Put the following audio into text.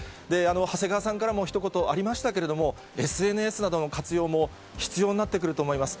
長谷川さんからもひと言ありましたけれども、ＳＮＳなどの活用も必要になってくると思います。